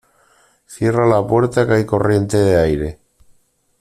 Cierra la puerta que hay corriente de aire.